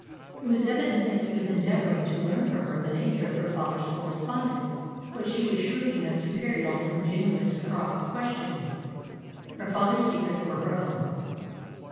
It was evident that he was endeavouring to learn from her the nature of her father's correspondence. But she was shrewd enough to parry all his ingenious cross questioning. Her father's secrets were her own.